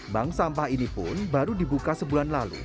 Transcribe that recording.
bank sampah ini pun baru dibuka sebulan lalu